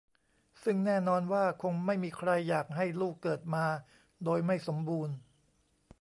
ซึ่งแน่นอนว่าคงไม่มีใครอยากให้ลูกเกิดมาโดยไม่สมบูรณ์